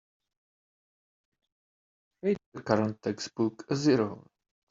Rate the current textbook a zero